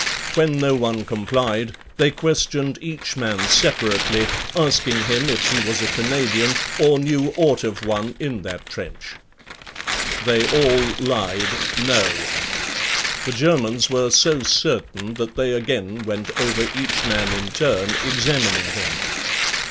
When no one complied, they questioned each man separately, asking him if he was a Canadian or knew aught of one in that trench. They all lied: "No." The Germans were so certain that they again went over each man in turn, examining him.